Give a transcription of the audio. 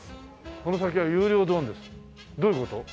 「この先は有料ゾーンです」どういう事？